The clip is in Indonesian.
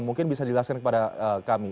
mungkin bisa dijelaskan kepada kami